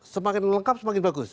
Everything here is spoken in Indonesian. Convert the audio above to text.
semakin lengkap semakin bagus